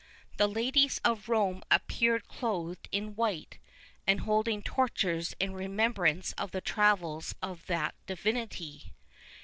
The ladies of Rome appeared clothed in white, and holding torches in remembrance of the travels of that divinity.